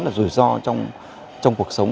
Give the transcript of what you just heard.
là rủi ro trong cuộc sống